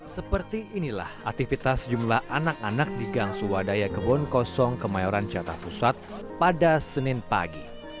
seperti inilah aktivitas jumlah anak anak di gangsu wadaya kebun kosong kemayoran carta pusat pada senin pagi